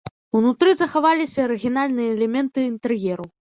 Унутры захаваліся арыгінальныя элементы інтэр'еру.